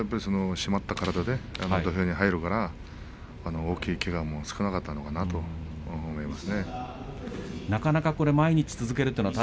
締まった体で土俵に入るから大きいけがもなかったのかなと思いました。